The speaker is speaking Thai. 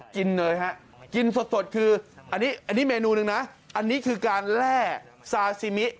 กินเลยฮะกินสดอันนี้มีเมนูนึดึงนะอันนี้คือการแล้วซาสิมิ